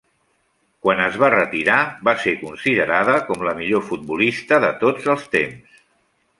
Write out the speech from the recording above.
Quan es va retirar, va ser considerada com la millor futbolista de tots els temps.